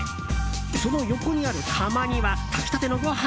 その横にある釜には炊きたてのご飯。